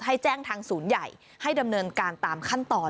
ให้แจ้งทางศูนย์ใหญ่ให้ดำเนินการตามขั้นตอน